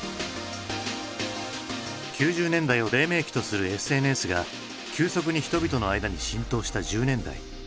９０年代を黎明期とするＳＮＳが急速に人々の間に浸透した１０年代。